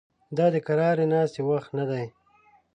دا د قرارې ناستې وخت نه دی